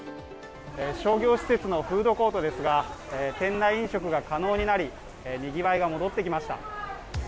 商業施設のフードコートですが、店内飲食が可能になりにぎわいが戻ってきました。